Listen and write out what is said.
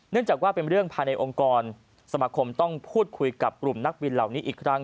จากว่าเป็นเรื่องภายในองค์กรสมาคมต้องพูดคุยกับกลุ่มนักบินเหล่านี้อีกครั้ง